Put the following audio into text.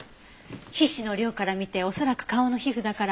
皮脂の量から見て恐らく顔の皮膚だから。